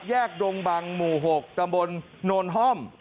แยกดงบังหมู่๖ดำบลนอนฮ่อม